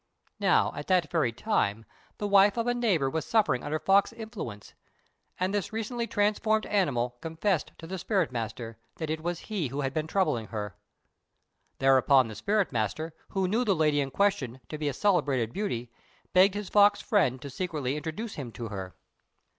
Now, at that very time, the wife of a neighbour was suffering under fox influence, and this recently transformed animal confessed to the spirit merchant that it was he who had been troubling her. Thereupon the spirit merchant, who knew the lady in question to be a celebrated beauty, begged his fox friend to secretly introduce him to her.